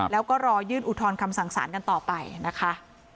แล้วก็รอยื่นอุทธรณ์คำสั่งสารกันต่อไปนะคะ